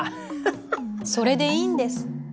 それでいいんです。